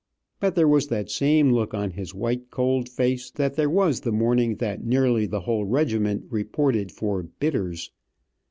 but there was that same look on his white, cold face that there was the morning that nearly the whole regiment reported for "bitters."